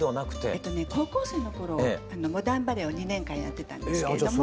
えとね高校生の頃モダンバレエを２年間やってたんですけれども。